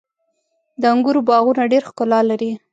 • د انګورو باغونه ډېره ښکلا لري.